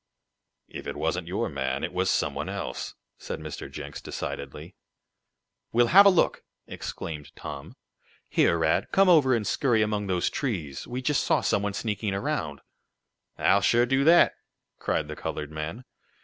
"If it wasn't your man, it was some one else," said Mr. Jenks, decidedly. "We'll have a look!" exclaimed Tom. "Here, Rad, come over and scurry among those trees. We just saw some one sneaking around." "I'll sure do dat!" cried the colored man.